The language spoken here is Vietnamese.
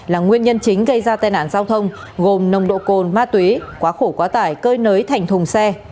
là nguyên nhân chính gây ra tai nạn giao thông gồm nồng độ cồn ma túy quá khổ quá tải cơi nới thành thùng xe